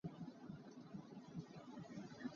Ramtuk an rel.